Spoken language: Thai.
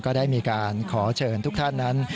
ก็ได้มีการขอเชิญทุกท่านนั้น